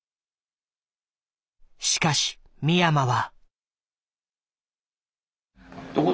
しかし三山は。